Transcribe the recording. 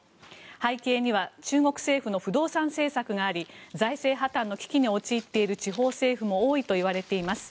背景には中国政府の不動産政策があり財政破たんの危機に陥っている地方政府も多いといわれています。